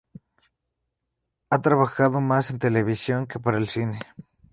Ha trabajado más en televisión que para el cine.